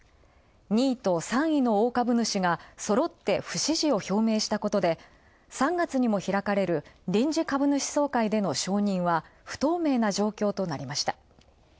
２位と３位の大株主が、そろって不支持を表明したことで三月にも開かれる臨時株主総会での承認は不透明な状況となりました。